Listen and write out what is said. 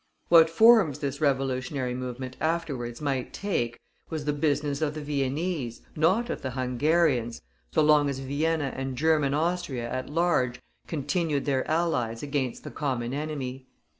What forms this revolutionary movement afterwards might take, was the business of the Viennese, not of the Hungarians, so long as Vienna and German Austria at large continued their allies against the common enemy.